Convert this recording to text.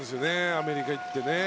アメリカに行ってね。